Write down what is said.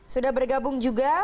sudah bergabung juga